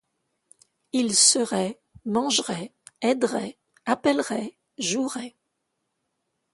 il – serait, mangerait, aiderait, appellerait, jouerait